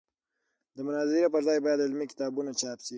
د مناظرې پر ځای باید علمي کتابونه چاپ شي.